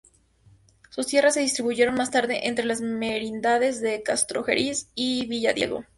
Sus tierras se distribuyeron más tarde entre las Merindades de Castrojeriz y Villadiego.